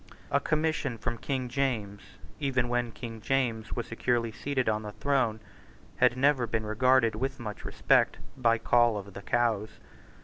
A commission from King James, even when King James was securely seated on the throne, had never been regarded with much respect by Coll of the Cows.